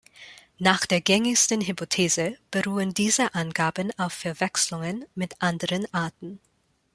Nach der gängigsten Hypothese beruhen diese Angaben auf Verwechslungen mit anderen Arten.